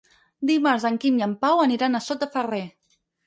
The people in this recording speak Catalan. Dimarts en Quim i en Pau aniran a Sot de Ferrer.